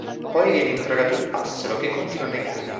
Poi viene interrogato il passero, che continua a negare.